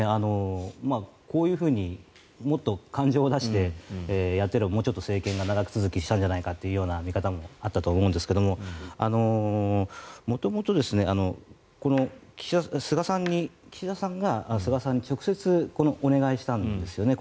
こういうふうにもっと感情を出してやっていればもうちょっと政権が長続きしたんじゃないかという見方もあったと思うんですが元々は岸田さんが菅さんに直接お願いしたんですよね。